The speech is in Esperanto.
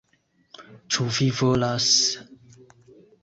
Ĉu vi volas...